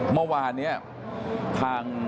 เมื่อวานเนี่ยทาง